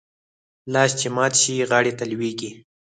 لاس چې مات شي ، غاړي ته لوېږي .